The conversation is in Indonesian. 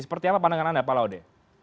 seperti apa pandangan anda pak laude